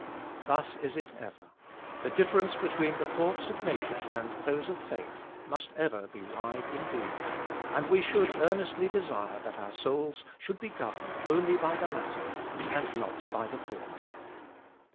Thus is it ever. The difference between the thoughts of nature and those of faith must ever be wide indeed; and we should earnestly desire that our souls should be governed only by the latter, and not by the former.